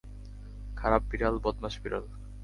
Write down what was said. খারাপ বিড়াল, বদমাস বিড়াল।